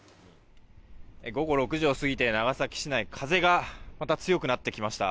午後６時を過ぎて長崎市内風がまた強くなってきました。